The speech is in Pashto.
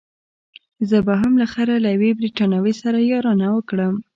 زه به هم له خیره له یوې بریتانوۍ سره یارانه وکړم.